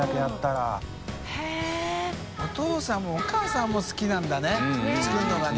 磴気鵑お母さんも好きなんだね作るのがね。